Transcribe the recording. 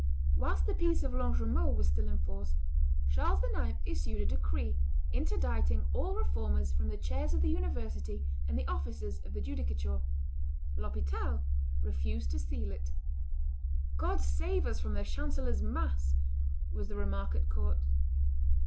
Whilst the peace of Longjumeau was still in force, Charles IX. issued a decree interdicting all Reformers from the chairs of the University and the offices of the judicature; L'Hospital refused to seal it: "God save us from the chancellor's mass!" was the remark at court.